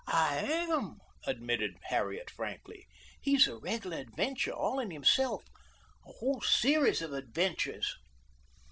"I am," admitted Harriet frankly. "He's a regular adventure all in himself a whole series of adventures."